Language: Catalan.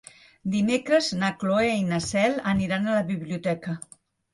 Dimecres na Cloè i na Cel aniran a la biblioteca.